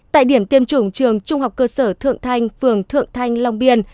tại điểm tiêm chủng trường trung học cơ sở thượng thanh phường thượng thanh long biên